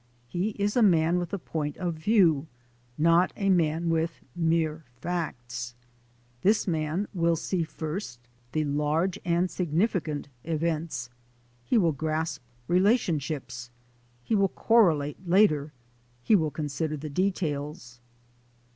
He is a man with a point of view, not a man with mere facts. This man will see first the large and significant events; he will grasp relationships; he will corre late; later, he will consider the details."